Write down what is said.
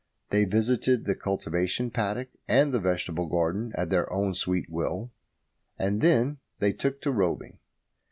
They visited the cultivation paddock and the vegetable garden at their own sweet will. And then they took to roving.